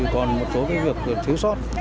còn một số cái việc thiếu sót